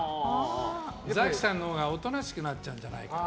ザキさんのほうが、おとなしくなっちゃうんじゃないかと。